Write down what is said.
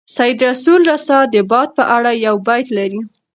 سید رسول رسا د باد په اړه یو بیت لري.